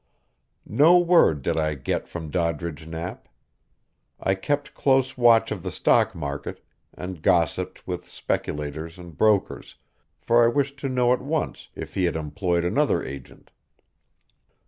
No word did I get from Doddridge Knapp. I kept close watch of the stock market, and gossiped with speculators and brokers, for I wished to know at once if he had employed another agent.